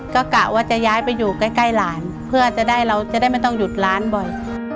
ก็กะว่าจะย้ายไปอยู่ใกล้หลานเพื่อจะได้เราจะได้ไม่ต้องหยุดร้านบ่อย